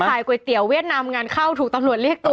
ก๋วยเตี๋เวียดนามงานเข้าถูกตำรวจเรียกตัว